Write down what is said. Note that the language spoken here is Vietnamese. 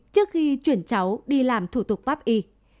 trước khi chuyển cháu đi làm thủ tục pháp y